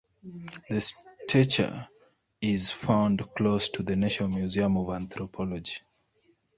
The statue is found close to the National Museum of Anthropology.